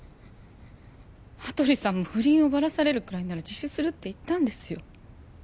羽鳥さんも不倫をばらされるくらいなら自首するって言ったんですよ